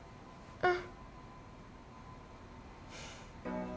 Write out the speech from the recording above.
うん。